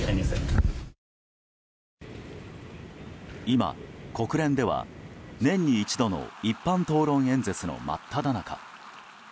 今、国連では年に一度の一般討論演説の真っただ中。